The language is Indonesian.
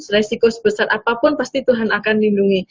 resiko sebesar apapun pasti tuhan akan lindungi